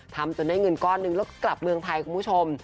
จนได้เงินก้อนหนึ่งแล้วก็กลับเมืองไทยคุณผู้ชม